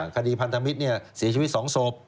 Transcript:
คดีพันธมิตรเนี่ยเสียชีวิต๒ศพ